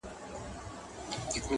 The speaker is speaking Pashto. او حقدارانو ته ورسې